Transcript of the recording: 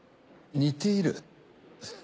似ている？